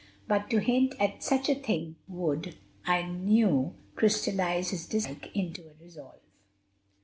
But to hint at such a thing would, I knew, crystallize his dislike into a resolve.